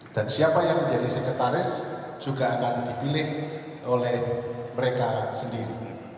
dan siapa yang menjadi sekretaris juga akan dipilih oleh mereka sendiri